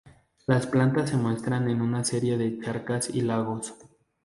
Las plantas se muestran en una serie de charcas y lagos.